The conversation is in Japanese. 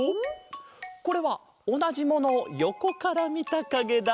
これはおなじものをよこからみたかげだ！